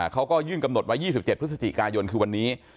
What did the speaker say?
เขาก็ยื่นกำหนดไว้๒๗พฤศจิกายนคือวันนี้